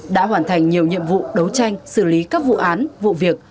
đã hoàn thành nhiều nhiệm vụ đấu tranh xử lý các vụ án vụ việc